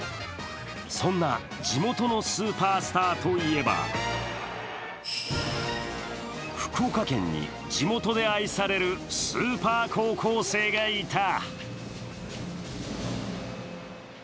そんな地元のスーパースターといえば、福岡県に地元で愛されるスーパー高校生がいた。